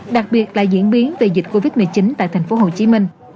đặc biệt là diễn biến về dịch covid một mươi chín tại thành phố hồ chí minh